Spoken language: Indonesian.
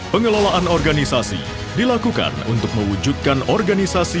pengelolaan organisasi dilakukan untuk mewujudkan organisasi